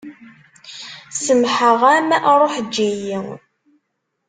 Semmḥeɣ-am ṛuḥ eǧǧ-iyi.